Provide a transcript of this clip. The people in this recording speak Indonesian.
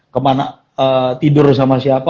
kemana tidur sama siapa